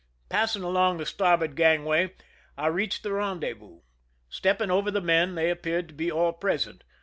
Passing along the starboard gangway, I reached the rendezvous. Stepping over the men, they appeared to be all present.